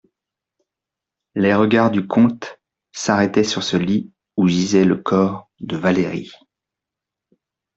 Les regards du comte s'arrêtaient sur ce lit où gisait le corps de Valérie.